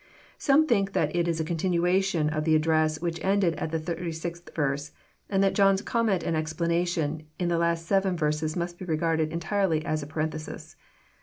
Some think that it Is a continuation of the address which ended at the thirty sixth verse, and that John's comment and explanation in the last seven verses must be regarded entirely as a parenthesis.